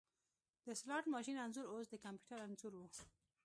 د سلاټ ماشین انځور اوس د کمپیوټر انځور و